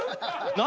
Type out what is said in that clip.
何？